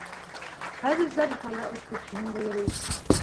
Хәҙер Зарифала эт типкеһендә йөрөй.